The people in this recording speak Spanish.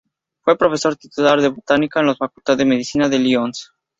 Fue Profesor Titular de Botánica en la Facultad de Medicina de Lyons.